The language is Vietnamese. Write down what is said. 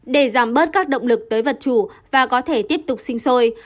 để giảm bớt các động lực tới vật chủ và có thể tiếp tục sinh sôi